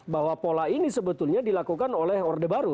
bahwa pola ini sebetulnya dilakukan oleh orde baru